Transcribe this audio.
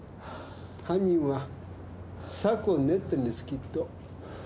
犯人は策を練ってんですきっと。